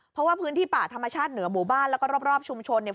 เพราะว่าพื้นที่ป่าธรรมชาติเหนือหมู่บ้านแล้วก็รอบชุมชนเนี่ย